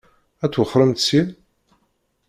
Ad twexxṛemt syin?